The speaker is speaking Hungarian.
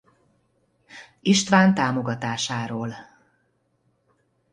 István támogatásáról.